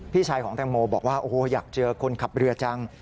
พี่ชายของแตงโมบอกว่าโอ้โหอยากเจอคนขับเรือจัง